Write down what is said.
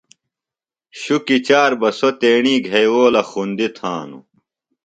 شُکی چار بہ سوۡ تیݨی گھئیوؤلہ خُندیۡ تھانوۡ۔